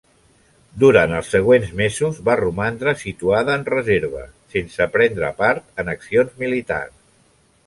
Durant els següents mesos va romandre situada en reserva, sense prendre part en accions militars.